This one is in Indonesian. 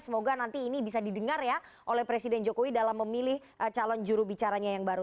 semoga nanti ini bisa didengar ya oleh presiden jokowi dalam memilih calon jurubicaranya yang baru